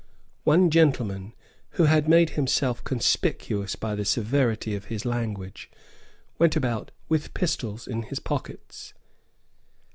One gentleman, who had made himself conspicuous by the severity of his language, went about with pistols in his pockets.